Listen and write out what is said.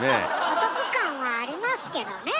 お得感はありますけどね。